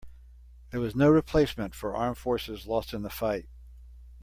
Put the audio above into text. There was no replacement for armed forces lost in the fight.